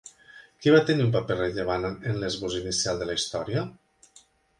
Qui va tenir un paper rellevant en l'esbós inicial de la història?